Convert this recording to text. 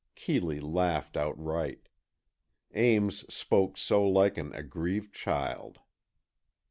Keeley laughed outright. Ames spoke so like an aggrieved child.